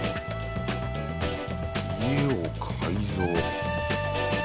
家を改造